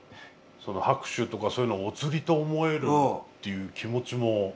拍手とかそういうのをおつりと思えるっていう気持ちも。